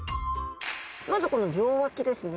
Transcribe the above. まずこの両脇ですね。